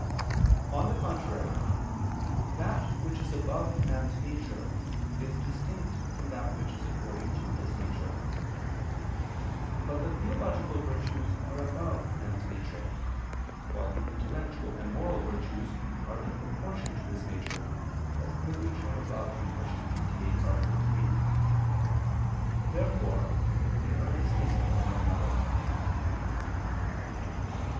On the contrary, That which is above man's nature is distinct from that which is according to his nature. But the theological virtues are above man's nature; while the intellectual and moral virtues are in proportion to his nature, as clearly shown above (Q. 58, A. 3). Therefore they are distinct from one another.